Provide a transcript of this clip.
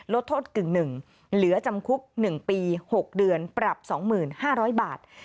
ลดโทษกึ่งหนึ่งเหลือจำคุก๑ปี๖เดือนปรับ๒๕๐๐บาท